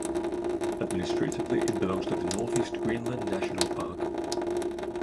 Administratively it belongs to the Northeast Greenland National Park.